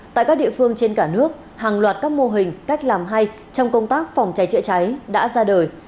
tại các địa phương trên cả nước hàng loạt các mô hình cách làm hay trong công tác phòng cháy chữa cháy đã ra đời